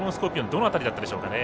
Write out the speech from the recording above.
どの辺りだったでしょうかね。